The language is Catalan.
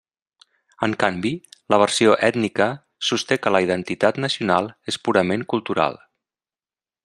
En canvi, la versió ètnica sosté que la identitat nacional és purament cultural.